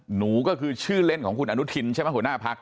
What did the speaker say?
หนูก็คือชื่อเล่นของคุณอนุทินใช่ไหมหัวหน้าพัก